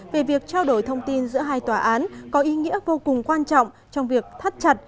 về việc trao đổi thông tin giữa hai tòa án có ý nghĩa vô cùng quan trọng trong việc thắt chặt